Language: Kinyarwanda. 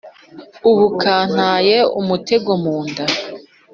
Ubu kantaye umutego mu nda,